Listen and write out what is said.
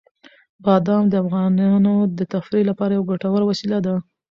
بادام د افغانانو د تفریح لپاره یوه ګټوره وسیله ده.